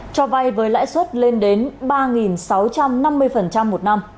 cho vay với lãi suất lên đến ba sáu trăm năm mươi một năm